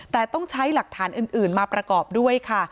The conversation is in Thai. แต่ต้องใช้หลักฐานอื่นมาประกอบด้วยค่ะ